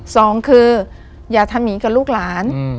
สองคืออย่าทำอีกกับลูกหลาน